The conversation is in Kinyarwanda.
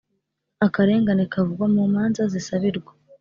Akarengane kavugwa mu manza zisabirwa